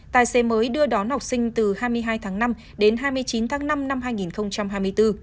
tài xế mới đưa đón học sinh từ hai mươi hai tháng năm đến hai mươi chín tháng năm năm hai nghìn hai mươi bốn